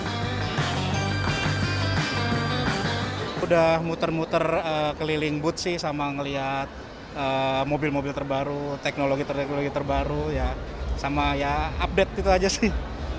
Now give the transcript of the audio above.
sudah muter muter keliling booth sih sama ngeliat mobil mobil terbaru teknologi teknologi terbaru ya sama ya update gitu aja sih